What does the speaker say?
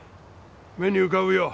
目に浮かぶよ。